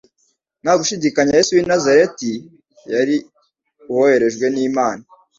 nta gushindikanya Yesu w'i Nazareti yari Uwoherejwe n'Imana.